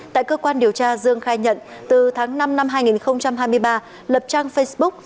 tại cơ quan điều tra dương khai nhận từ tháng năm năm hai nghìn hai mươi ba lập trang facebook